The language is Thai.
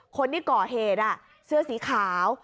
คนที่ก่อเหตุเสื้อสีขาว